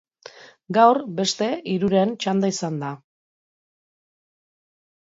Gaur, beste hiruren txanda izan da.